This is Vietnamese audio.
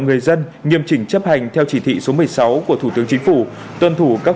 người dân nghiêm chỉnh chấp hành theo chỉ thị số một mươi sáu của thủ tướng chính phủ tuân thủ các